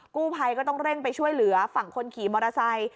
กู้ภัยก็ต้องเร่งไปช่วยเหลือฝั่งคนขี่มอเตอร์ไซค์